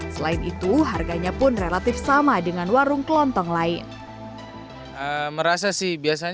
selain itu harganya pun relatif sama dengan warung kelontong lain